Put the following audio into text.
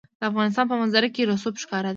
د افغانستان په منظره کې رسوب ښکاره ده.